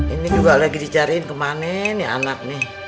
ini juga lagi dicariin kemana nih anak nih